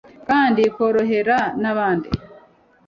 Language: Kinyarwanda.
kandi ikorohera n'abandi